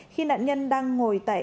khi nạn nhân đang ngồi tại